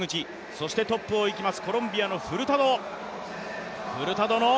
そしてトップを行きます、コロンビアのフルタド。